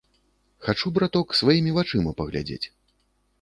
Хачу, браток, сваімі вачыма паглядзець.